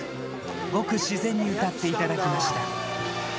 ごく自然に歌っていただきました。